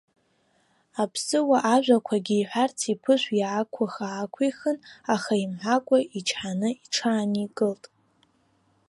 Аԥсыуа ажәақәакгьы иҳәарц иԥышә иаақәыхх-аақәыххын, аха имҳәакәа ичҳаны иҽааникылт.